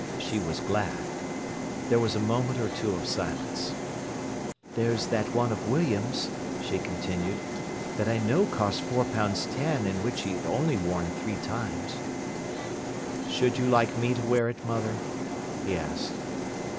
She was glad. There was a moment or two of silence. "There's that one of William's," she continued, "that I know cost four pounds ten and which he'd only worn three times." "Should you like me to wear it, mother?" he asked.